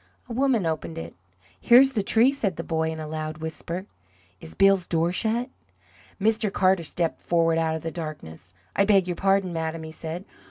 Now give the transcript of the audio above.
A woman opened it. "Here's the tree!" said the boy, in a loud whisper. "Is Bill's door shut?" Mr. Carter stepped forward out of the darkness. "I beg your pardon, madam," he said.